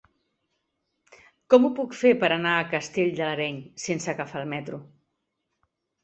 Com ho puc fer per anar a Castell de l'Areny sense agafar el metro?